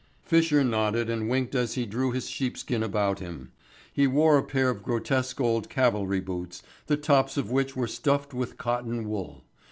Fisher nodded and winked as he drew his sheepskin about him. He wore a pair of grotesque old cavalry boots, the tops of which were stuffed with cotton wool.